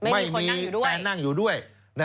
ไม่มีแฟนนั่งอยู่ด้วย